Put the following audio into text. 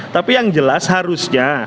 tapi yang jelas harusnya